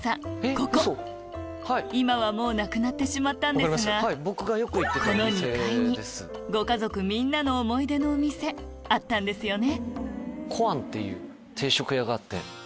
ここ今はもうなくなってしまったんですがこの２階にご家族みんなの思い出のお店あったんですよね